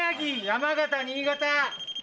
山形、新潟。